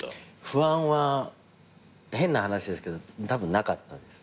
不安は変な話ですけどたぶんなかったです。